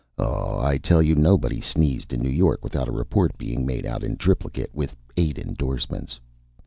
Oh, I tell you, nobody sneezed in New York without a report being made out in triplicate, with eight endorsements.